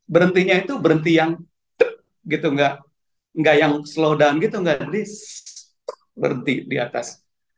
berhentinya itu berhenti yang gitu nggak yang slow down gitu nggak berhenti di atas